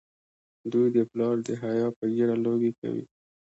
دوی د پلار د حیا په ږیره لوبې کوي.